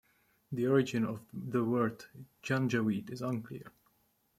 The origin of the word Janjaweed is unclear.